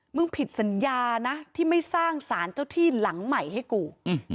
ผิดสัญญานะที่ไม่สร้างสารเจ้าที่หลังใหม่ให้กู